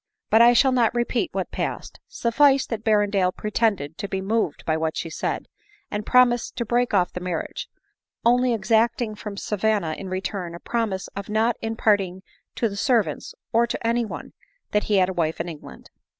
But I shall not repeat what passed. Suffice that Berrendale pretended to be moved by what die said, and promised to break off the marriage— only exacting from ADELINE MOWBRAY. 239 Savanna, in return, a promise of not imparting to the servants, or to any one, that he had a wife in England.